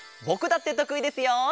ぼくだってとくいですよ！